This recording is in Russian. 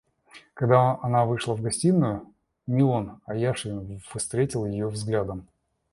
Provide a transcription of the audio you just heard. Когда она вышла в гостиную, не он, а Яшвин встретил ее взглядом.